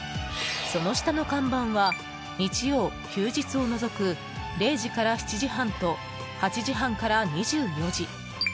その下の看板は日曜・休日を除く０時から７時半と８時半から２４時。